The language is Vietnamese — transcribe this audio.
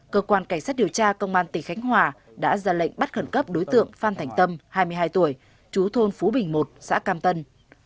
cơ quan cảnh sát điều tra công an tỉnh khánh hòa đã ra lệnh bắt khẩn cấp đối tượng phan thành tâm hai mươi hai tuổi chú thôn phú bình một xã cam tân